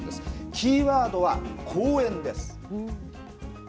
キーワードは公園です。